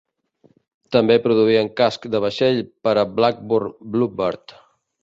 També produïen casc de vaixell per a Blackburn Bluebird.